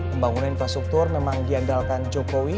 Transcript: pembangunan infrastruktur memang diandalkan jokowi